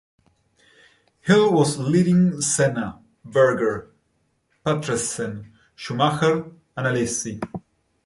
Hill was leading Senna, Berger, Patrese, Schumacher and Alesi.